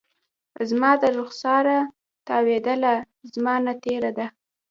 زما د رخساره تاویدله، زمانه تیره ده